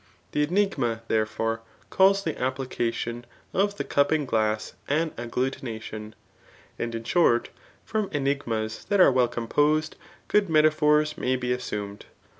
The enigma, therefore, calls the application of the cupping glass an agglutination. And in short, from enigmas that are well composed, good metaphors majr be assumed.